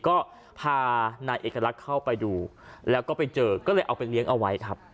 ก็พานายเอกลักษณ์เข้าไปดูแล้วก็ไปเจอก็เลยเอาไปเลี้ยงเอาไว้ครับ